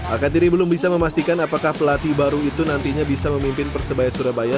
al katiri belum bisa memastikan apakah pelatih baru itu nantinya bisa memimpin persebaya surabaya